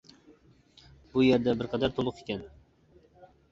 بۇ يەردە بىر قەدەر تولۇق ئىكەن.